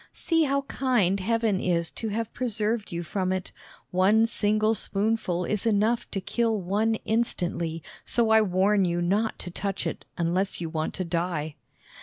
See how kind Heaven is to have preserved you from it. One single spoonful is enough to kill one instantly, so I warn you not to touch it unless you want to die."